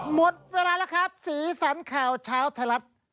หมดเวลาแล้วครับสีสันข่าวเช้าไทยรัฐ